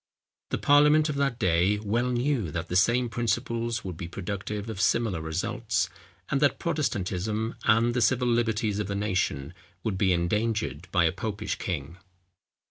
The parliament of that day well knew that the same principles would be productive of similar results, and that Protestantism, and the civil liberties of the nation, would be endangered by a popish king.